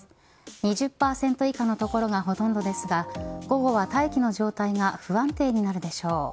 ２０％以下の所がほとんどですが午後は大気の状態が不安定になるでしょう。